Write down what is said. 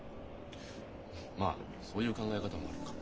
まあそういう考え方もあるか。